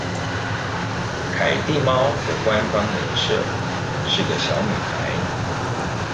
凱蒂貓的官方人設是個小女孩